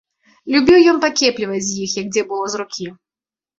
Любіў ён пакепліваць з іх, як дзе было з рукі.